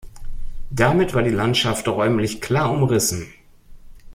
Damit war die Landschaft räumlich klar umrissen.